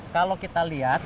kalau kita lihat